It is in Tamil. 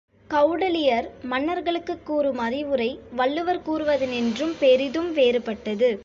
கெளடலீயர் மன்னர்களுக்குக் கூறும் அறவுரை வள்ளுவர் கூறுவதினின்றும் பெரிதும் வேறுபட்டது.